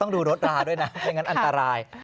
ต้องดูรถราด้วยนะถ้าอย่างนั้นอันตราย